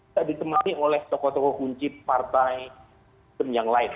tidak ditemani oleh tokoh tokoh kunci partai yang lain